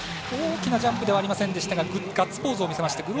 大きなジャンプではありませんでしたがガッツポーズを見せました。